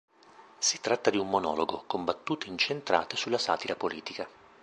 Si tratta di un monologo, con battute incentrate sulla satira politica.